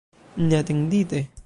Neatendite.